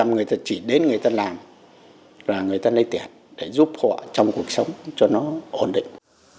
người ta chỉ đến người ta làm và người ta lấy tiền để giúp họ trong cuộc sống cho nó ổn định